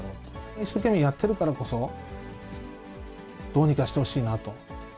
一生懸命やってるからこそ、どうにかしてほしいなと。